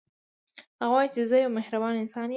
هغه وايي چې زه یو مهربانه انسان یم